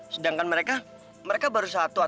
sedangkan mereka mereka baru satu